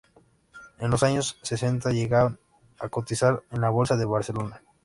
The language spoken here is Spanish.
En los años sesenta llegan a cotizar en la Bolsa de Barcelona.